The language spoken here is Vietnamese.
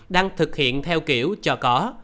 đang thực hiện theo kiểu cho có